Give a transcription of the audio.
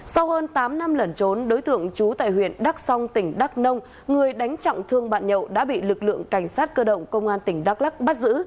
sau hơn tám năm lẩn trốn đối tượng trú tại huyện đắk song tỉnh đắk nông người đánh trọng thương bạn nhậu đã bị lực lượng cảnh sát cơ động công an tỉnh đắk lắc bắt giữ